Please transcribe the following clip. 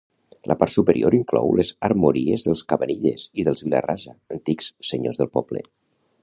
La part superior inclou les armories dels Cavanilles i dels Vila-rasa, antics senyors del poble.